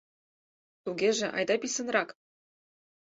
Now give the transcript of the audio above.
— Тугеже, айда писынрак.